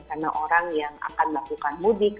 karena orang yang akan melakukan mudik